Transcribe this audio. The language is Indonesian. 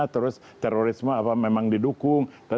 terus terorisme apa memang didukung